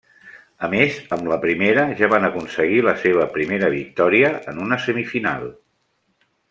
A més, amb la primera ja van aconseguir la seva primera victòria en una semifinal.